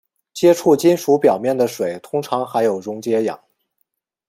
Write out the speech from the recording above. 接触金属表面的水通常含有溶解氧。